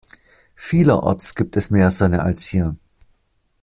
Vielerorts gibt es mehr Sonne als hier.